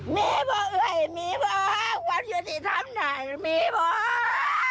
มีพวกอื่นมีพวกความยุติธรรมไหนมีพวก